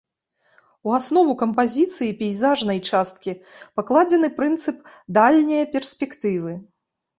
У аснову кампазіцыі пейзажнай часткі пакладзены прынцып дальняе перспектывы.